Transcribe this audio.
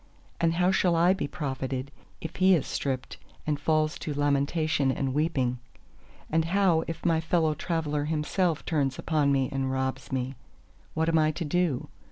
And how shall I be profited, if he is stripped and falls to lamentation and weeping? And how if my fellow traveller himself turns upon me and robs me? What am I to do?